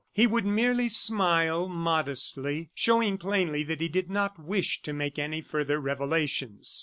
He would merely smile modestly, showing plainly that he did not wish to make any further revelations.